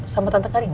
sama tante karina